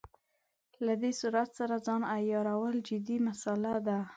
له دې سرعت سره ځان عیارول جدي مساله ده.